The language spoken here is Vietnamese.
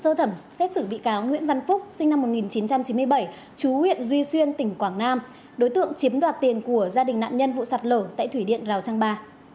sơ thẩm xét xử bị cáo nguyễn văn phúc sinh năm một nghìn chín trăm chín mươi bảy chú huyện duy xuyên tỉnh quảng nam đối tượng chiếm đoạt tiền của gia đình nạn nhân vụ sạt lở tại thủy điện rào trang ba